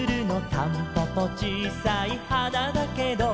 「たんぽぽちいさい花だけど」